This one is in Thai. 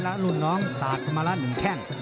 และรุ่นน้องสากมาละหนึ่งแข่ง